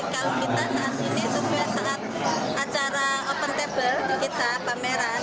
kalau kita saat ini sudah saat acara open table di kita pameran